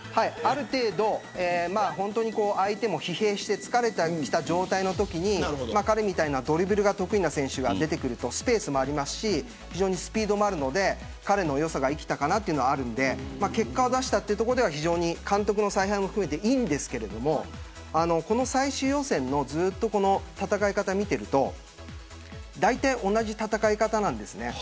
ある程度相手も疲弊して疲れてきた状態のときに彼のようなドリブルが得意な選手が出てくるとスペースもスピードもあるので彼の良さが生きたかなというのがあるので結果を出したというところでは監督の采配も含めていいんですけど最終予選の戦い方を見ているとだいたい同じ戦い方なんです。